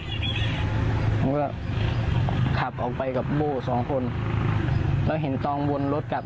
ผมก็ขับออกไปกับโบ้สองคนแล้วเห็นตองวนรถกลับ